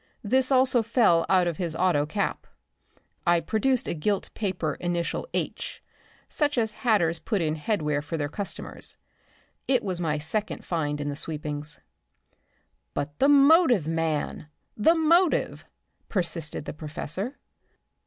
This also fell out of his auto cap." I produced a gilt paper initial "H," such as hatters put in headwear for their customers. It was my second find in the sweepings. "But the motive, man, the motive!" persisted the professor.